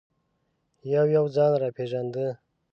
یو یو ځان را پېژانده.